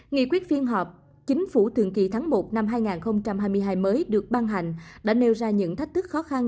nghị quyết phiên họp chính phủ thường kỳ tháng một năm hai nghìn hai mươi hai mới được ban hành đã nêu ra những thách thức khó khăn